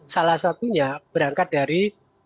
salah satunya berangkat dari